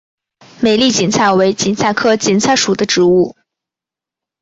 美丽堇菜为堇菜科堇菜属的植物。